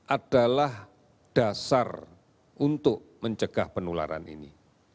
adalah dasar untuk mencegah penularan ini